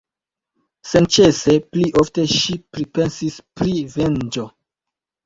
Senĉese pli ofte ŝi pripensis pri venĝo.